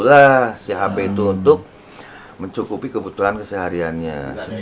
dulu lah si hp itu untuk mencukupi kebutuhan kesehariannya